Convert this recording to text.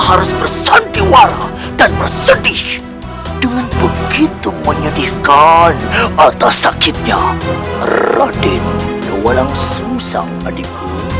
harus bersantiwara dan bersedih dengan begitu menyedihkan atas sakitnya raden walang sung sang adikku